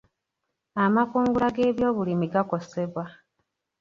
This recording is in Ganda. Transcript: Amakungula g'ebyobulimi gakosebwa.